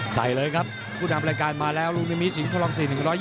ใส่เลยครับผู้นำรายการมาแล้วลูกนิมิสิงคลอง๔๑๒